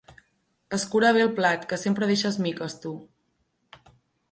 Escura bé el plat, que sempre deixes miques, tu.